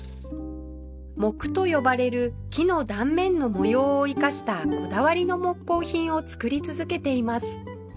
杢と呼ばれる木の断面の模様を生かしたこだわりの木工品を作り続けています